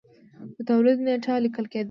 د تولید نېټه لیکل کېده.